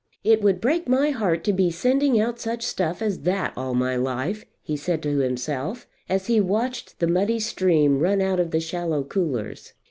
"It would break my heart to be sending out such stuff as that all my life," he said to himself, as he watched the muddy stream run out of the shallow coolers.